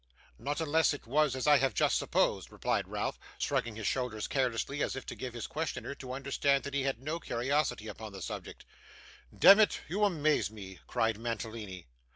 'Not unless it was as I have just supposed,' replied Ralph, shrugging his shoulders carelessly, as if to give his questioner to understand that he had no curiosity upon the subject. 'Demmit, you amaze me,' cried Mantalini.